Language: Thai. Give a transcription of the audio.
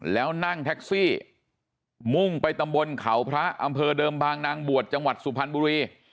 แล้วนั่งแท็กซี่มุ่งไปตำบลเขาพระอำเภอเดิมบางนางบวชจังหวัดสุพรรณบุรี